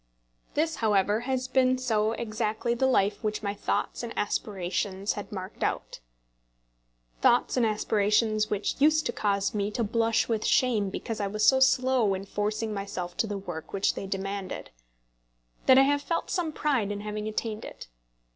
This, however, has been so exactly the life which my thoughts and aspirations had marked out, thoughts and aspirations which used to cause me to blush with shame because I was so slow in forcing myself to the work which they demanded, that I have felt some pride in having attained it.